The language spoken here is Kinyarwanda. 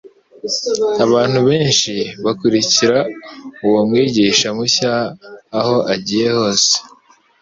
Abantu benshi bakurikira uwo mwigisha mushya aho agiye hose,